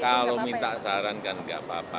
kalau minta saran kan nggak apa apa